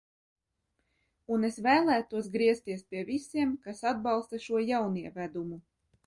Un es vēlētos griezties pie visiem, kas atbalsta šo jaunievedumu.